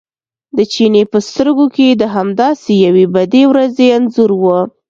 د چیني په سترګو کې د همداسې یوې بدې ورځې انځور و.